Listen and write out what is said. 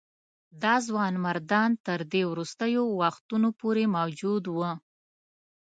دا ځوانمردان تر دې وروستیو وختونو پورې موجود وه.